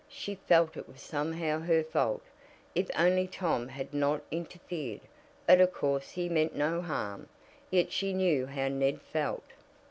She felt it was somehow her fault. If only Tom had not interfered! But of course he meant no harm. Yet she knew how Ned felt.